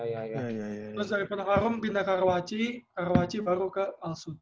terus dari penokarum pindah ke arwaci arwaci baru ke alsut